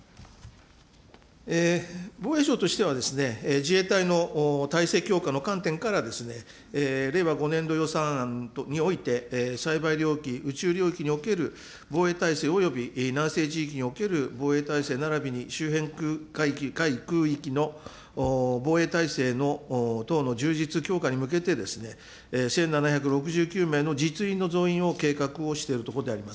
防衛省としてはですね、自衛隊の態勢強化の観点から、令和５年度予算案において、サイバー領域、宇宙領域における防衛体制及び南西地域における防衛体制ならびに空域の防衛態勢の等の充実強化に向けて、１７６９名の実員の増員を計画をしているところであります。